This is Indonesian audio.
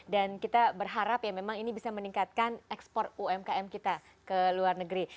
kita berharap ya memang ini bisa meningkatkan ekspor umkm kita ke luar negeri